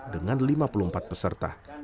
dengan lima puluh empat peserta